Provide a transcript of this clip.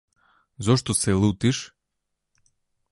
Зошто се лутиш?